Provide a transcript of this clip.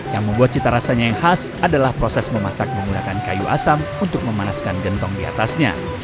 yang membuat cita rasanya yang khas adalah proses memasak menggunakan kayu asam untuk memanaskan gentong di atasnya